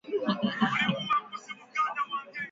Uki penda kuni kwaza gusa mashamba ya muloko yangu